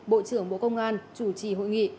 bộ trưởng bộ công an chủ trì hội nghị